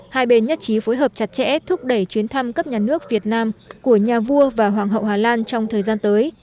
hai bên nhất trí phối hợp chặt chẽ thúc đẩy chuyến thăm cấp nhà nước việt nam của nhà vua và hoàng hậu hà lan trong thời gian tới